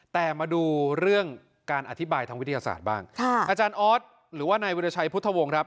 แต่มาดูเรื่องการอธิบายทางวิทยาศาสตร์บ้างอาจารย์ออสหรือว่านายวิราชัยพุทธวงศ์ครับ